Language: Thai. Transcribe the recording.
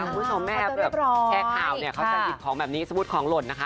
ซะสรุปแม่แอปแคลันเนี่ยเขาก็จะหยิบของแบบนี้สมมุติของหล่นนะคะ